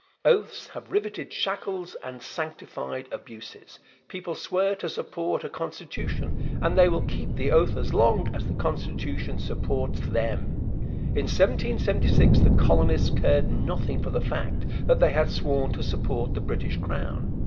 Oaths have riveted shackles and sanctified abuses. People swear to support a constitution, and they will keep the oath as long as the constitution supports them. In 1776 the colonists cared nothing for the fact that they had sworn to support the British crown.